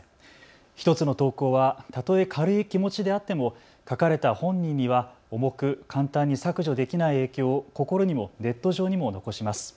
１つの投稿は例え軽い気持ちであっても書かれた本人には重く簡単に削除できない影響を心にもネット上にも残します。